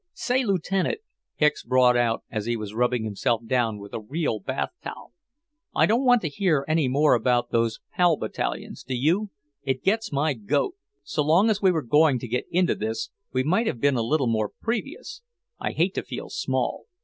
"Say, Lieutenant," Hicks brought out as he was rubbing himself down with a real bath towel, "I don't want to hear any more about those Pal Battalions, do you? It gets my goat. So long as we were going to get into this, we might have been a little more previous. I hate to feel small."